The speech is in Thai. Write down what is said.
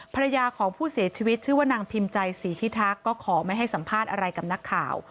ภรรยาของผู้เสียชีวิตชื่อว่านางพิมพ์ใจศรีพิทักษ์ก็ขอไม่ให้สัมภาษณ์อะไรกับนักข่าว